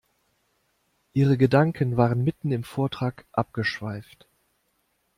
Ihre Gedanken waren mitten im Vortrag abgeschweift.